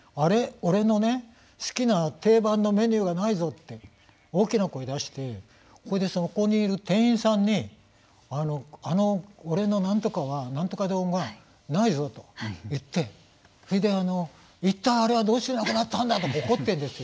俺の好きな定番のメニューがないぞって大きな声を出してそれで、そこにいる店員さんに俺のなんとかはなんとか丼がないぞと言って一体どうしてあれはなくなったんだって怒ってるんですよ。